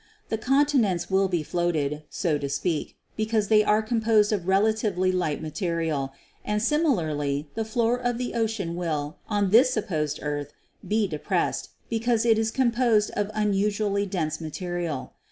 The continents will be floated, so to speak, be cause they are composed of relatively light material, and similarly the floor of the ocean will, on this supposed earth, be depressed, because it is composed of unusually dense material.